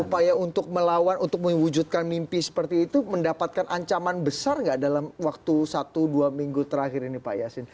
upaya untuk melawan untuk mewujudkan mimpi seperti itu mendapatkan ancaman besar nggak dalam waktu satu dua minggu terakhir ini pak yasin